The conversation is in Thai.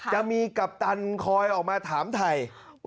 จะมีกัปตันคอยออกมาถามไทย